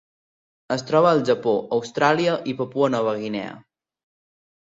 Es troba al Japó, Austràlia i Papua Nova Guinea.